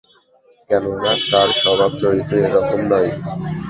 কেননা, তার স্বভাব-চরিত্র এ রকম নয়।